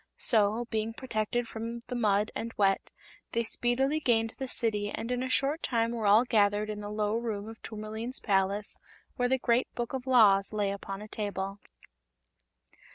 So, being protected from the mud and wet, they speedily gained the City and in a short time were all gathered in the low room of Tourmaline's palace, where the Great Book of Laws lay upon a table.